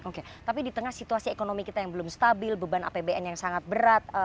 oke tapi di tengah situasi ekonomi kita yang belum stabil beban apbn yang sangat berat